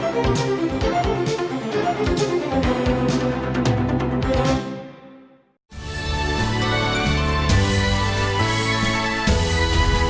hẹn gặp lại